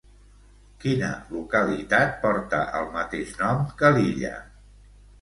Quina localitat porta el mateix nom que l'illa?